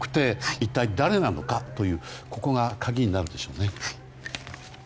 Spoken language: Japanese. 一体誰なのかというここが鍵になるでしょうね。